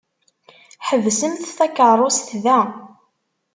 Ḥebsemt takeṛṛust da!